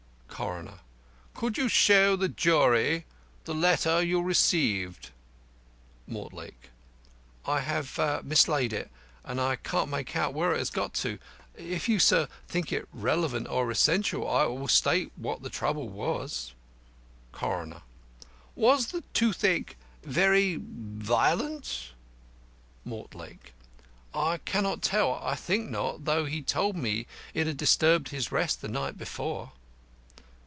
CORONER: Could you show the jury the letter you received? MORTLAKE: I have mislaid it, and cannot make out where it has got to. If you, sir, think it relevant or essential, I will state what the trouble was. CORONER: Was the toothache very violent? MORTLAKE: I cannot tell. I think not, though he told me it had disturbed his rest the night before.